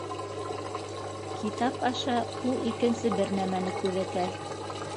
Китап аша ул икенсе бер нәмәне күҙәтә.